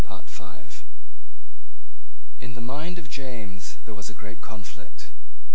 In the mind of James there was a great conflict.